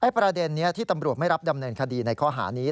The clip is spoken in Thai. ประเด็นนี้ที่ตำรวจไม่รับดำเนินคดีในข้อหานี้